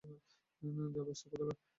যা বেশ্যা কোথাকার!